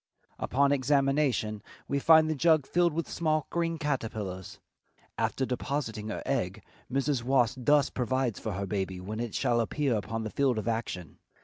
Upon examination we find the jug filled with small green caterpillars. After depositing her egg Mrs. Wasp thus provides for her baby when it shall appear upon the field of action.